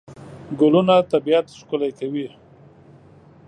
ګلونه طبیعت ښکلا کوي.